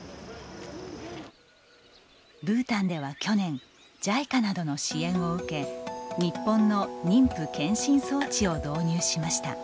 ブータンでは去年ＪＩＣＡなどの支援を受け日本の妊婦健診装置を導入しました。